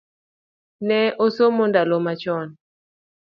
Ne asomo ndalo machon